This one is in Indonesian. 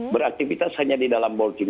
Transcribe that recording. beraktivitas hanya di dalam boarding